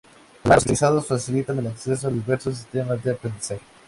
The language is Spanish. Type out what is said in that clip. Además, los especializados facilitan el acceso a los diversos sistemas de aprendizaje.